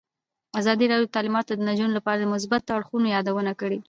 ازادي راډیو د تعلیمات د نجونو لپاره د مثبتو اړخونو یادونه کړې.